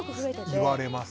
言われます。